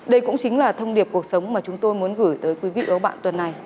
đây cũng chính là thông điệp cuộc sống mà chúng tôi muốn gửi tới quý vị và các bạn tuần này